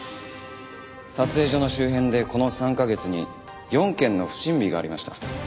撮影所の周辺でこの３カ月に４件の不審火がありました。